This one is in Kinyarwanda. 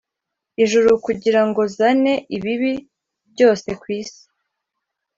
ijuru kugira ngo zane ibibi byose ku isi